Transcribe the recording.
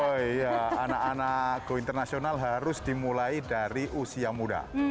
oh iya anak anak go internasional harus dimulai dari usia muda